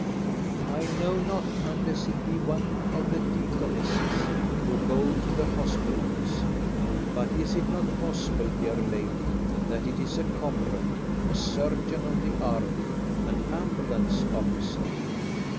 "I know not, unless it be one of the deaconesses who go to the hospitals; but is it not possible, dear lady, that it is a comrade, a surgeon of the army, an ambulance officer?"